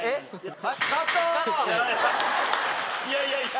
いやいやいや！